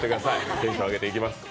テンション上げていきます。